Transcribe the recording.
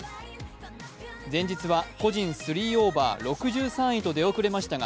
前日は個人３オーバー６３位と出遅れましたが